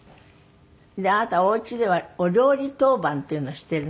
であなたお家ではお料理当番っていうのをしているんだって？